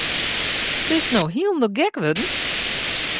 Bist no hielendal gek wurden?